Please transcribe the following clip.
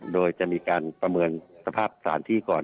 โดยจะมีการประเมินสภาพสถานที่ก่อน